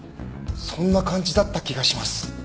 そんな感じだった気がします。